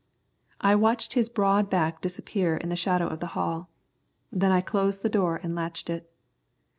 I watched his broad back disappear in the shadow of the hall. Then I closed the door and latched it.